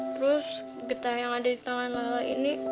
terus getah yang ada di tangan lala ini